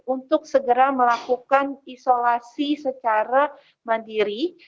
untuk segera melakukan isolasi secara mandiri